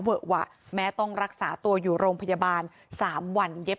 หวะแม้ต้องรักษาตัวอยู่โรงพยาบาล๓วันเย็บ